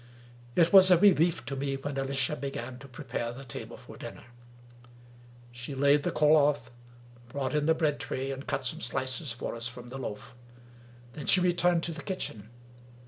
It was a relief to me when Alicia began to prepare the table for dinner. She laid the cloth, brought in the bread tray, and cut some slices for us from the loaf. Then she returned to the kitchen.